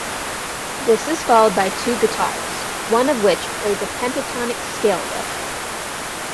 This is followed by two guitars, one of which plays a pentatonic scale riff.